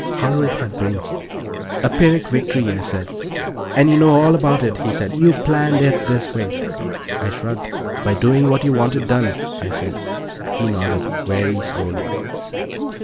Hollerith had brains. "A Pyrrhic victory," I said. "And you know all about it," he said. "You planned it this way." I shrugged. "By doing what you wanted done," I said. He nodded, very slowly.